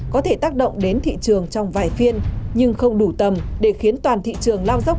có thể tác động đến thị trường trong vài phiên nhưng không đủ tầm để khiến toàn thị trường lao dốc